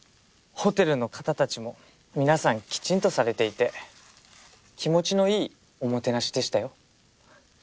ホテルの方たちも皆さんきちんとされていて気持ちのいいおもてなしでしたよ。